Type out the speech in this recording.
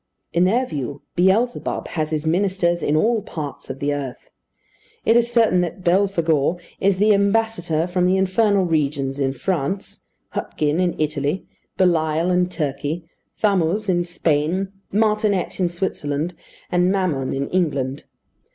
In their view, Beelzebub has his ministers in all parts of the earth. It is certain that Belphegor is the ambassador from the infernal regions in France, Hutgin in Italy, Belial in Turkey, Thamuz in Spain, Martinet in Switzerland, and Mammon in England.